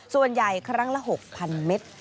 ส่วนใหญ่ครั้งละ๖๐๐๐เมตร